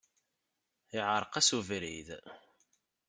Iɛreq-as ubrid.